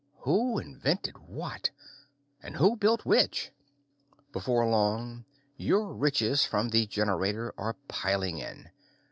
Who invented what? And who built which? Before long, your riches from the generator are piling in.